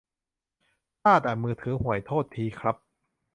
พลาดอ่ะ มือถือห่วย โทษทีครับ